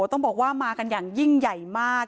ต้องบอกว่ามากันอย่างยิ่งใหญ่มาก